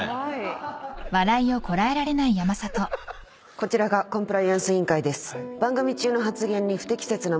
こちらがコンプライアンス委員会です。